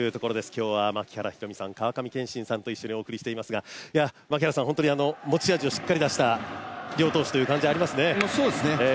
今日は槙原寛己さん、川上憲伸さんと一緒にお送りしていますが持ち味をしっかり出した両投手という感じですね。